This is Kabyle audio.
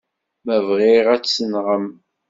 Ma bɣiɣ, ad tt-nɣen.